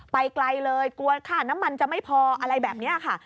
ไปไกลเลยกลัวค่าน้ำมันจะไม่พออะไรแบบนี้ค่ะ